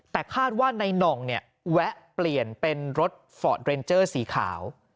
แต่คาดว่าในน่องเนี่ยแวะเปลี่ยนเป็นรถฟอร์ดเรนเจอร์สีขาว